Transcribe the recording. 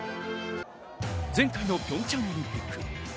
前回のピョンチャンオリンピック。